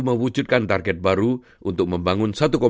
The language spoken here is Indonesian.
mewujudkan target baru untuk membangun